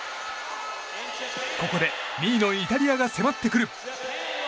ここで２位のイタリアが迫ってくる。